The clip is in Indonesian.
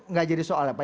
gak jadi soal ya pak